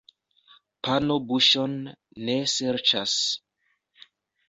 Pano buŝon ne serĉas.